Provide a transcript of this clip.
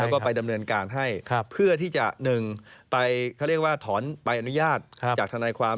ก็ไปดำเนินการให้เพื่อที่จะ๑ทองออนุญาตจากทนายความ